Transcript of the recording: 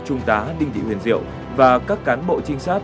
trung tá đinh thị huyền diệu và các cán bộ trinh sát